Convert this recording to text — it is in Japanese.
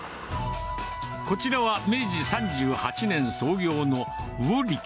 こちらは明治３８年創業の魚力。